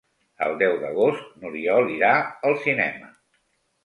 El deu d'agost n'Oriol irà al cinema.